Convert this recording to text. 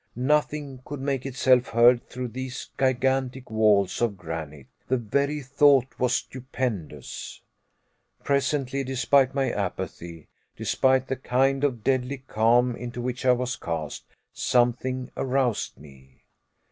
Nothing could make itself heard through these gigantic walls of granite. The very thought was stupendous. Presently, despite my apathy, despite the kind of deadly calm into which I was cast, something aroused me.